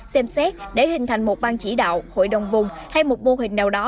xem xét để hình thành một bang chỉ đạo hội đồng vùng hay một mô hình nào đó